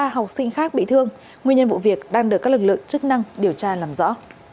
ba học sinh khác bị thương nguyên nhân vụ việc đang được các lực lượng chức năng điều tra làm rõ